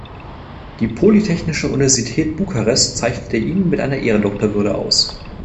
Die Polytechnische Universität Bukarest zeichnete ihn mit einer Ehrendoktorwürde aus.